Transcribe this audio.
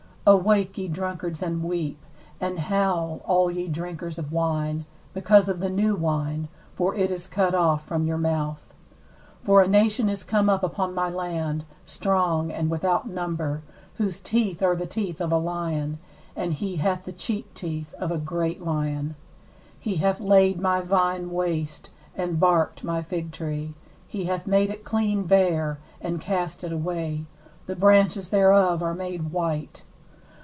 5Awake, ye drunkards, and weep; and howl, all ye drinkers of wine, because of the new wine; for it is cut off from your mouth. 6For a nation is come up upon my land, strong, and without number, whose teeth are the teeth of a lion, and he hath the cheek teeth of a great lion. 7He hath laid my vine waste, and barked my fig tree: he hath made it clean bare, and cast it away; the branches thereof are made white.